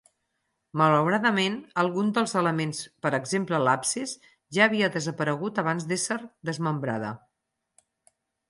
Malauradament, algun dels elements, per exemple l'absis, ja havia desaparegut abans d'ésser desmembrada.